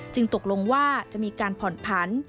ตกลงว่าจะมีการผ่อนผัน